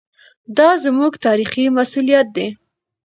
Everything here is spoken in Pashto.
دا زموږ تاریخي مسوولیت دی.